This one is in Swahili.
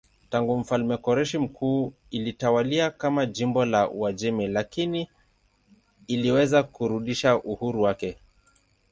Tangu mfalme Koreshi Mkuu ilitawaliwa kama jimbo la Uajemi lakini iliweza kurudisha uhuru wake.